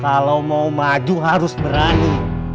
kalau mau maju harus berani